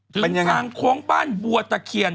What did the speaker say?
ถึงทางโค้งบ้านบัวตะเคียน